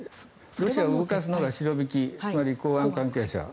ロシアを動かすのがシロビキつまり公安関係者